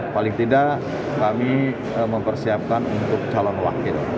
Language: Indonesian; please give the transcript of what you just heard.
paling tidak kami mempersiapkan untuk calon wakil